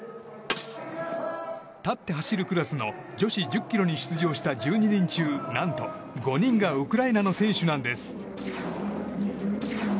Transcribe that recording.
立って走るクラスの女子１０ｋｍに出場した１２人中何と５人がウクライナの選手なんです。